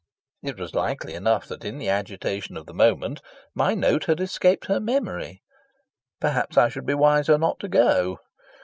It was likely enough that in the agitation of the moment my note had escaped her memory. Perhaps I should be wiser not to go.